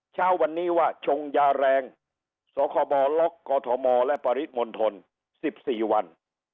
ชาววันนี้ว่าชงยาแรงสลกกและปริศมนตรสิบสี่วัน